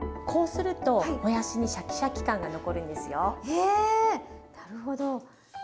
へえなるほど。